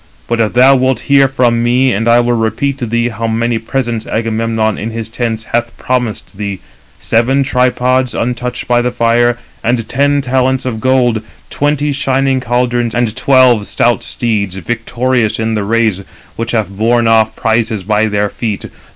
But if [thou wilt] hear from me, and I will repeat to thee how many presents Agamemnon in his tents hath promised thee: seven tripods, untouched by the fire, and ten talents of gold, twenty shining caldrons, and twelve stout steeds, victorious in the race, which have borne off prizes by their feet.